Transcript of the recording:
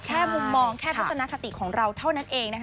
มุมมองแค่ทัศนคติของเราเท่านั้นเองนะคะ